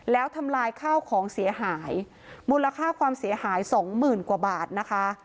แล้วทำลายข้าวของเสียหายมูลค่าความเสียหายสองหมื่นกว่าบาทนะคะ